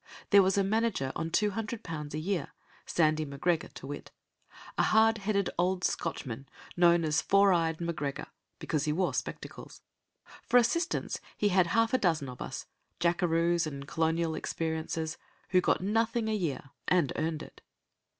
There was a manager on 200 pounds a year, Sandy M'Gregor to wit a hard headed old Scotchman known as "four eyed M'Gregor", because he wore spectacles. For assistants, he had half a dozen of us jackaroos and colonial experiencers who got nothing a year, and earned it.